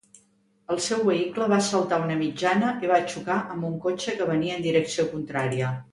El seu vehicle va saltar una mitjana i va xocar amb un cotxe que venia en direcció contrària.